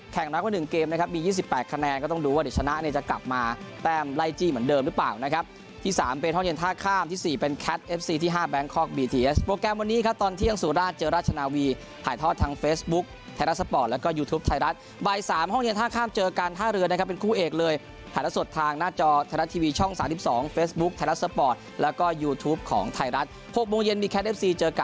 แข่งรักไปหนึ่งเกมนะครับมียี่สิบแปะคะแนนก็ต้องดูว่าเด็กชนะ